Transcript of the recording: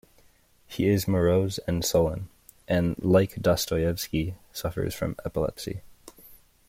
He is morose and sullen, and, like Dostoyevsky, suffers from epilepsy.